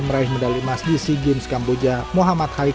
meraih medali emas di sea games kamboja mohamad zahraudzian